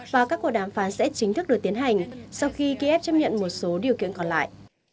và các cuộc đàm phán sẽ chính thức được tiến hành sau khi kiev chấp nhận một số điều kiện còn lại